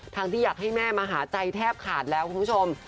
ที่อยากให้แม่มาหาใจแทบขาดแล้วคุณผู้ชม